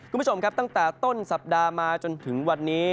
คุณผู้ชมครับตั้งแต่ต้นสัปดาห์มาจนถึงวันนี้